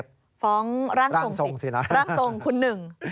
ฟองร่างทรงคุณหนึ่งนะฮะฟองร่างทรงสินะฮะฟองร่างทรงคุณหนึ่ง